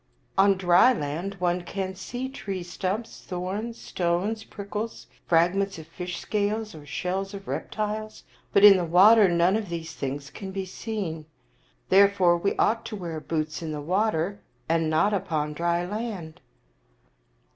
" "On dry land one can see tree stems, thorns, stones, prickles, fragments of fish scales or shells of reptiles, but in the water none of these things can be seen. Therefore we ought to wear boots in the water and not upon dry land."